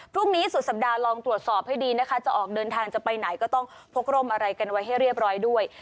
พรุ่งนี้สุดสัปดาห์ลองตรวจสอบให้ดีนะคะจะออกเดินทางจะไปไหนก็ต้องพกร่มอะไรกันไว้ให้เรียบร้อยด้วย